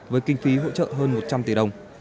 với kinh phí hỗ trợ hơn một trăm linh tỷ đồng